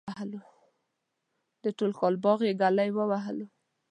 د ټول کال باغ یې گلی ووهلو.